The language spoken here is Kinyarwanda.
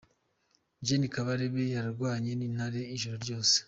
Gen Kabarebe yarwanye n’intare ijoro ryose